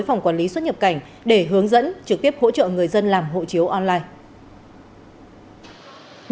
phòng quản lý xuất nhập cảnh để hướng dẫn trực tiếp hỗ trợ người dân làm hộ chiếu online